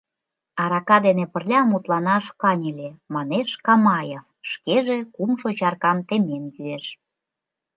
— Арака дене пырля мутланаш каньыле, — манеш Камаев, шкеже кумшо чаркам темен йӱэш.